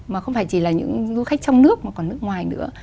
mà không phải chỉ là những du khách trong nước mà còn nước ngoài nữa